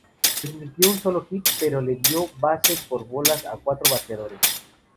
Permitió un solo hit, pero le dio base por bolas a cuatro bateadores.